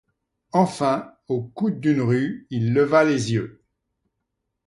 Enfin, au coude d'une rue, il leva les yeux.